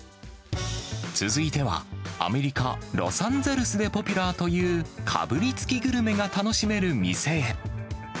続いては、アメリカ・ロサンゼルスでポピュラーという、かぶりつきグルメが楽しめる店へ。